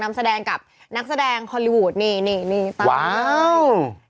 นำแสดงกับนักแสดงฮอลลี่วูดนี่ตามนี้